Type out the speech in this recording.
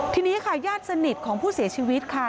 ทีนี้ค่ะญาติสนิทของผู้เสียชีวิตค่ะ